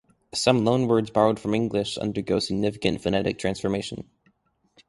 Some loan words borrowed from English undergo significant phonetic transformation.